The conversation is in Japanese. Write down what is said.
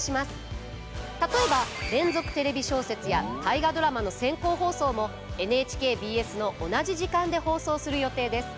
例えば「連続テレビ小説」や「大河ドラマ」の先行放送もＮＨＫＢＳの同じ時間で放送する予定です。